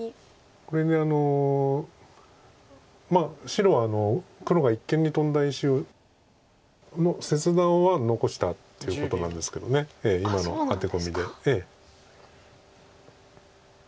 これで白は黒が一間にトンだ石の切断は残したということなんですけど今のアテコミで。